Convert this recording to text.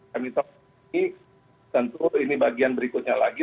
kami tahu ini tentu ini bagian berikutnya lagi